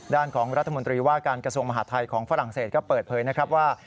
ด้านของรัฐมนตรีว่าการกระทรวงมหาดไทยของฝรั่งเศสก็เปิดเผยนะครับว่า